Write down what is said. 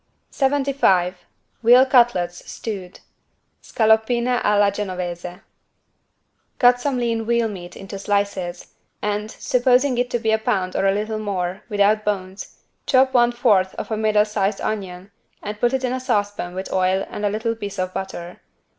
75 VEAL CUTLETS STEWED (Scaloppine alla Genovese) Cut some lean veal meat into slices and, supposing it be a pound or a little more, without bones, chop one fourth of a middle sized onion and put it in a saucepan with oil and a little piece of butter.